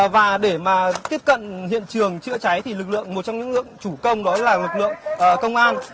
và để mà tiếp cận hiện trường chữa cháy thì lực lượng một trong những lượng chủ công đó là lực lượng công an